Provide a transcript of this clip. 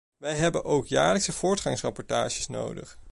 Wij hebben ook jaarlijkse voortgangsrapportages nodig.